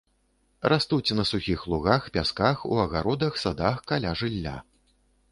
Растуць на сухіх лугах, пясках, у агародах, садах, каля жылля.